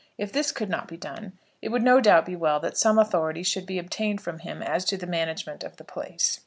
If this could not be done, it would no doubt be well that some authority should be obtained from him as to the management of the place.